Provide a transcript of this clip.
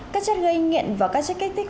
các chất gây nghiện và các chất kích thích